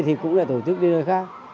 thì cũng là tổ chức đi nơi khác